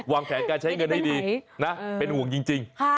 วางแผนการใช้เงินให้ดีนะเป็นห่วงจริง